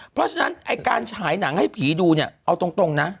เพราะฉะนั้นไอ้การฉายหนังให้ผีดูเนี่ยเอาตรงนะ